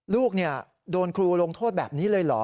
ลูกโดนครูลงโทษแบบนี้เลยเหรอ